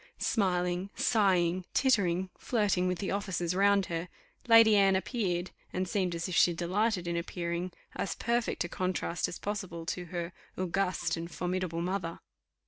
Smiling, sighing, tittering, flirting with the officers round her, Lady Anne appeared, and seemed as if she delighted in appearing, as perfect a contrast as possible to her august and formidable mother.